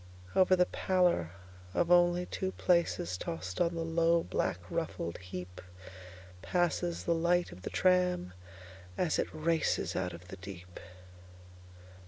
Over the pallor of only two placesTossed on the low, black, ruffled heapPasses the light of the tram as it racesOut of the deep.